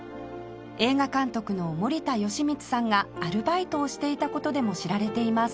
映画監督の森田芳光さんがアルバイトをしていた事でも知られています